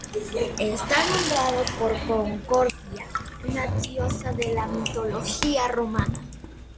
Está nombrado por Concordia, una diosa de la mitología romana.